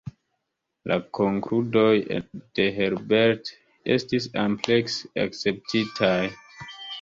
La konkludoj de Herbert estis amplekse akceptitaj.